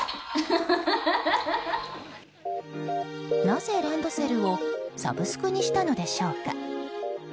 なぜランドセルをサブスクにしたのでしょうか。